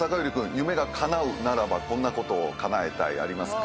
夢が叶うならばこんなことを叶えたいありますか？